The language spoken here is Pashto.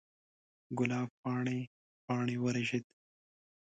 ګلاب پاڼې، پاڼې ورژید